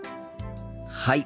はい。